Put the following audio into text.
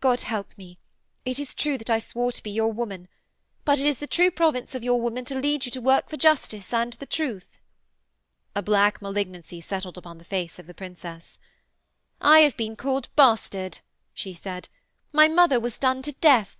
'God help me: it is true that I swore to be your woman. But it is the true province of your woman to lead you to work for justice and the truth.' A black malignancy settled upon the face of the princess. 'I have been called bastard,' she said. 'My mother was done to death.'